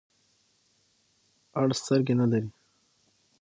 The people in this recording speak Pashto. اړ سترګي نلری .